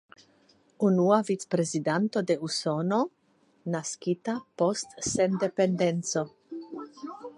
Unua vicprezidanto de Usono naskita post sendependeco.